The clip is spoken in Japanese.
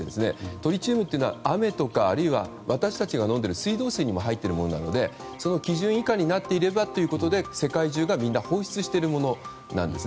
トリチウムというのは雨とか、私たちが飲んでいる水道水にも入っているものなのでそれが基準以下になっていればということで世界中がみんな放出しているものなんです。